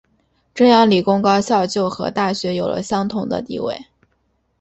这样理工高校就和大学有了相同的地位。